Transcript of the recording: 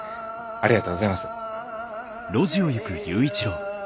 ありがとうございます。